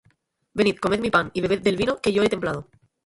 Venid, comed mi pan, Y bebed del vino que yo he templado.